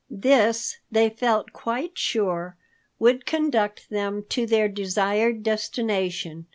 This, they felt quite sure, would conduct them to their desired destination.